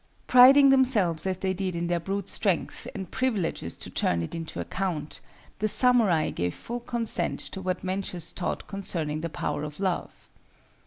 Priding themselves as they did in their brute strength and privileges to turn it into account, the samurai gave full consent to what Mencius taught concerning the power of Love.